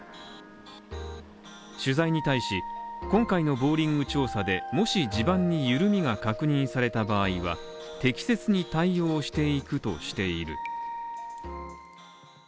取材に対し、今回のボーリング調査で、もし地盤に緩みが確認された場合には適切に対応していくとしている。